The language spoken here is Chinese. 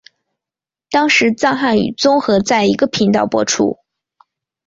当时藏汉语综合在一个频道播出。